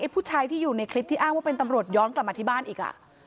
ผู้ชายที่อยู่ในคลิปที่อ้างว่าเป็นตำรวจย้อนกลับมาที่บ้านอีก